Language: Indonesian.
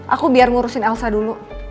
aku biar ngurusin elsa dulu